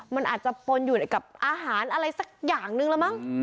มันอาจจะปนอยู่กับอาหารอะไรสักอย่างนึงแล้วมั้ง